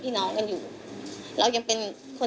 พี่ลองคิดดูสิที่พี่ไปลงกันที่ทุกคนพูด